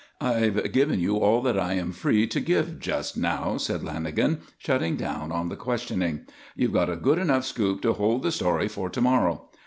"I've given you all I am free to give just now," said Lanagan, shutting down on the questioning. "You've got a good enough scoop to hold the story for to morrow.